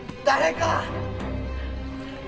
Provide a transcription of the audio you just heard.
誰か！